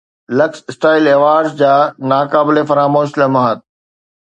luxe Style Awards جا ناقابل فراموش لمحات